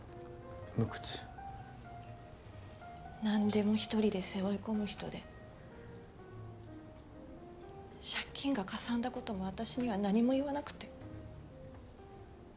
何でも一人で背負い込む人で借金がかさんだことも私には何も言わなくて。